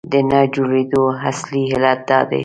د نه جوړېدلو اصلي علت دا دی.